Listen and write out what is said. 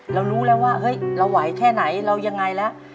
เรารู้แล้วว่าเฮ้ยเราไหวแค่ไหนเรายังไงแล้ว